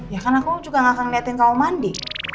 ya kan aku juga gak akan liatin kamu mandi